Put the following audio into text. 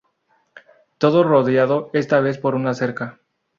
Todo rodeado esta vez por una cerca.